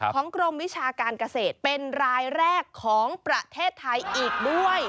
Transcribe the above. ของกรมวิชาการเกษตรเป็นรายแรกของประเทศไทยอีกด้วย